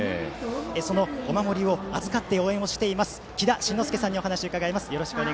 そのお守りを預かって応援しているきだしんのすけさんにお話を伺います。